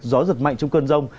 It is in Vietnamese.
gió giật mạnh trong cơn rông